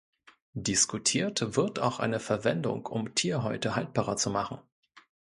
Diskutiert wird auch eine Verwendung, um Tierhäute haltbarer zu machen.